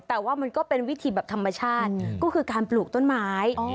แต่ว่ามันก็เป็นวิธีแบบธรรมชาติก็คือการปลูกต้นไม้